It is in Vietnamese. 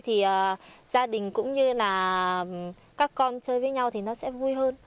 thì gia đình cũng như là các con chơi với nhau thì nó sẽ vui hơn